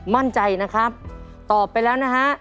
มั่นใจนะครับตอบไปแล้วนะฮะ